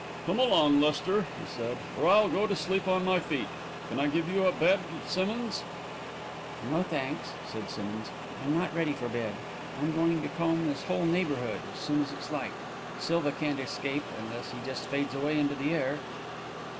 "Come along, Lester," he said, "or I'll go to sleep on my feet. Can I give you a bed, Simmonds?" "No, thanks," said Simmonds. "I'm not ready for bed. I'm going to comb this whole neighbourhood, as soon as it's light. Silva can't escape unless he just fades away into the air."